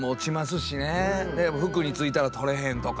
服についたら取れへんとか。